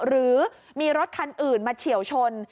หรือมีรถคันอื่นมาเฉียวชน